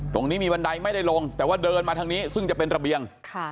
ตรงนี้มีบันไดไม่ได้ลงแต่ว่าเดินมาทางนี้ซึ่งจะเป็นระเบียง